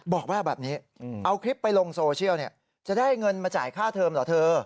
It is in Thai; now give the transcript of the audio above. บอกว่าแบบนี้เอาคลิปไปโลงโซเชียล